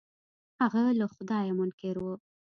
هغه له خدايه منکر و.